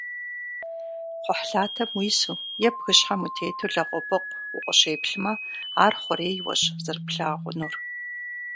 Кхъухьлъатэм уису е бгыщхьэм утету лэгъупыкъум укъыщеплъмэ, ар хъурейуэщ зэрыплъэгъунур.